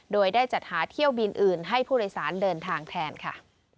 โดยได้จัดหาเที่ยวบินอื่นให้ผู้โดยสารเดินทางแทนค่ะ